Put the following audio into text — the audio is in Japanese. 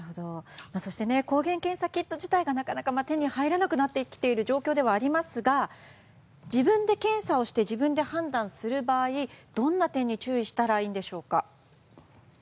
そして抗原検査キット自体が手に入らなくなっている状況ではありますが自分で検査をして自分で判断する場合どんな点に注意したらいいでしょうか。